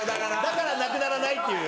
だからなくならないっていう。